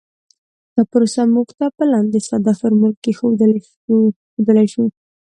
دا پروسه موږ په لاندې ساده فورمول کې ښودلی شو